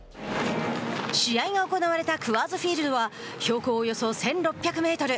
試合が行われたクアーズ・フィールドは標高およそ１６００メートル。